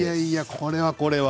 これはこれは。